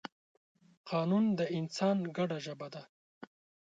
قانون د انسان ګډه ژبه ده.